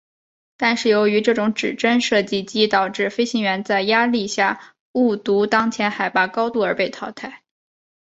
但是由于这种指针设计极易导致飞行员在压力下误读当前海拔高度而被淘汰。